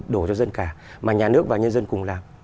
đổ cho dân cả mà nhà nước và nhân dân cùng làm